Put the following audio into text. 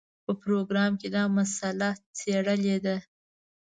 په پروګرام کې دا مسله څېړلې ده.